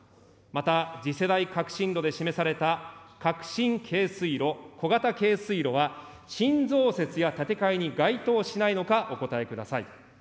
また次世代革新炉で示された革新軽水炉、小型軽水炉は、新増設や建て替えに該当しないのか、お答えください。